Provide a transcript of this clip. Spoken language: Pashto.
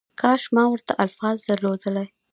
کاش ما ورته الفاظ درلودلای